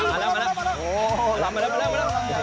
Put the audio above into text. มาแล้วมาแล้ว